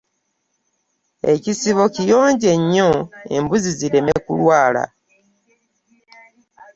Ekisibo kiyonje nnyo embuzi zireme kulwala.